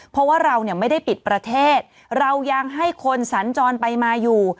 เพราะว่าเราเนี่ยไม่ได้ปิดประเทศเรายังให้คนสัญจรไปมาอยู่